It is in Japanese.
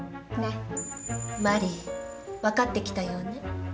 マリー分かってきたようね。